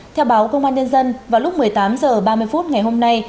theo báo công an nhân dân vào lúc một mươi tám h ba mươi phút ngày hôm nay